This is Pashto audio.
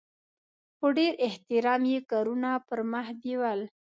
په ډېر احترام یې کارونه پرمخ بیول.